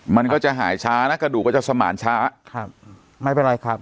มันก็จะหายช้านะกระดูกก็จะสมานช้าครับไม่เป็นไรครับ